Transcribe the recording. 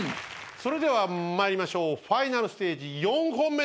それでは参りましょうファイナルステージ４本目です。